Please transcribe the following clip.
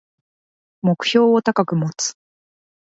目標を高く持つ